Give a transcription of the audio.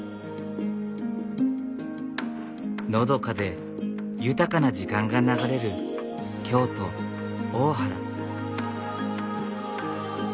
のどかで豊かな時間が流れる京都・大原。